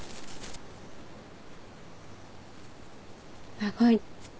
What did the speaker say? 長い。